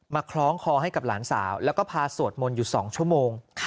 คล้องคอให้กับหลานสาวแล้วก็พาสวดมนต์อยู่๒ชั่วโมง